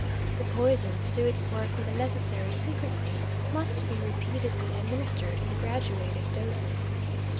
The poison, to do its work with the necessary secrecy, must be repeatedly administered in graduated doses.